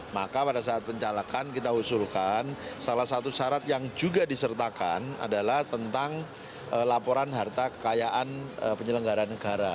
maka pada saat pencalekan kita usulkan salah satu syarat yang juga disertakan adalah tentang laporan harta kekayaan penyelenggara negara